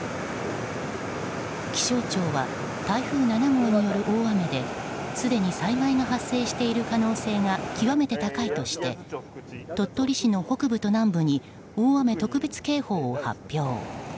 気象庁は、台風７号による大雨ですでに災害の発生している可能性が極めて高いとして鳥取市の北部と南部に大雨特別警報を発表。